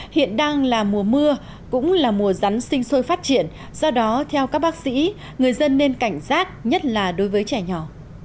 hiện đang là mùa mưa cũng là mùa rắn sinh sôi phát triển do đó theo các bác sĩ người dân nên cảnh giác nhất là đối với trẻ nhỏ